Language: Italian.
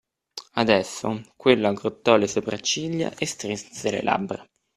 Adesso, quello aggrottò le sopracciglia e strinse le labbra.